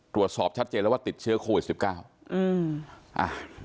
ตรวจสอบชัดเจนแล้วว่าติดเชื้อโควิด๑๙